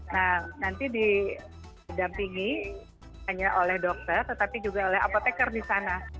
nah nanti didampingi hanya oleh dokter tetapi juga oleh apotekar di sana